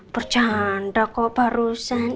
bercanda kok barusan